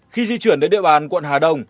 khi di chuyển đến địa bàn quận hà đông